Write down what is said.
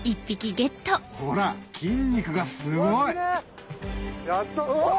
ほら筋肉がすごいうお！